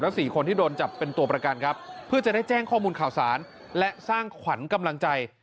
สี่คนที่โดนจับเป็นตัวประกันครับเพื่อจะได้แจ้งข้อมูลข่าวสารและสร้างขวัญกำลังใจ